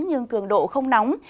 nhưng cường độ không nóng